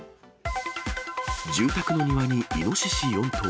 住宅の庭にイノシシ４頭。